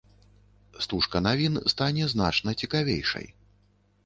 Стужка навін стане значна цікавейшай.